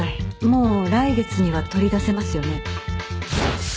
もう来月には取り出せますよね？